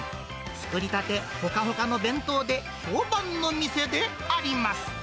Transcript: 作りたてほかほかの弁当で評判の店であります。